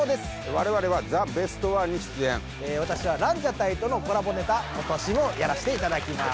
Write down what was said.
我々は「ザ・ベストワン」に出演私はランジャタイとのコラボネタ今年もやらしていただきます